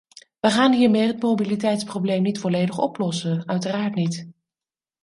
We gaan hiermee het mobiliteitsprobleem niet volledig oplossen, uiteraard niet.